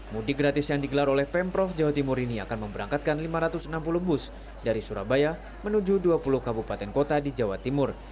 mudik gratis yang digelar oleh pemprov jawa timur ini akan memberangkatkan lima ratus enam puluh bus dari surabaya menuju dua puluh kabupaten kota di jawa timur